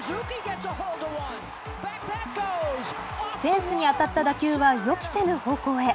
フェンスに当たった打球は予期せぬ方向へ。